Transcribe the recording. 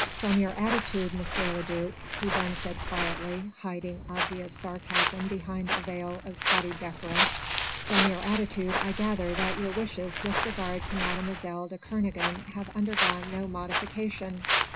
"From your attitude, M. le duc," he then said quietly, hiding obvious sarcasm behind a veil of studied deference, "from your attitude I gather that your wishes with regard to Mlle. de Kernogan have undergone no modification.